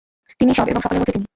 তিনিই সব এবং সকলের মধ্যে তিনি।